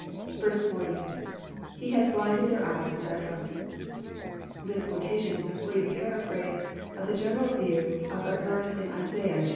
*" 40. — [_He Thoth blinded their eyes, etc,'] This quotation is a free paraphrase of the general view of a verse in Isaiah vi.